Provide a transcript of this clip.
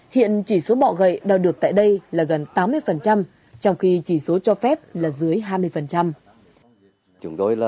hiện chỉ số bọ gậy đo được tại đây là gần tám mươi trong khi chỉ số cho phép là dưới hai mươi